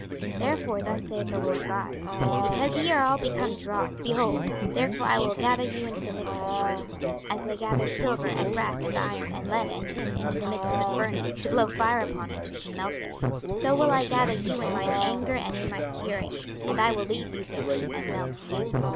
26:022:019 Therefore thus saith the Lord GOD; Because ye are all become dross, behold, therefore I will gather you into the midst of Jerusalem. 26:022:020 As they gather silver, and brass, and iron, and lead, and tin, into the midst of the furnace, to blow the fire upon it, to melt it; so will I gather you in mine anger and in my fury, and I will leave you there, and melt you.